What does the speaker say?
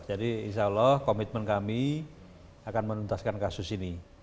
jadi insya allah komitmen kami akan menuntaskan kasus ini